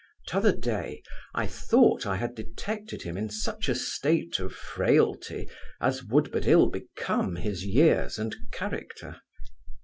T'other day, I thought I had detected him in such a state of frailty, as would but ill become his years and character.